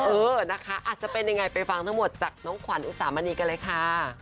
เออนะคะอาจจะเป็นยังไงไปฟังทั้งหมดจากน้องขวัญอุสามณีกันเลยค่ะ